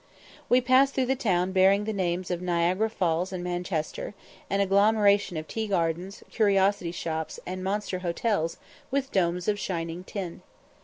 We passed through the town bearing the names of Niagara Falls and Manchester, an agglomeration of tea gardens, curiosity shops, and monster hotels, with domes of shining tin.